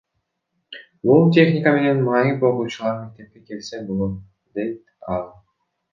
Бул техника менен майып окуучулар мектепке келсе болот, дейт ал.